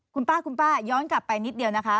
คุณป้าคุณป้าย้อนกลับไปนิดเดียวนะคะ